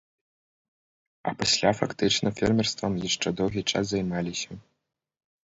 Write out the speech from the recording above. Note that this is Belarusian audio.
А пасля фактычна фермерствам яшчэ доўгі час займаліся.